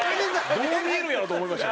どう見えるんやろうと思いました。